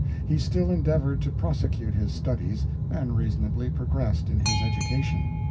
He still endeavored to prosecute his studies, and reasonably progressed in his education.